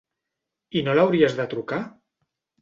I no l'hauries de trucar?